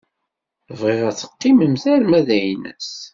Bɣiɣ ad teqqimemt arma d aynas.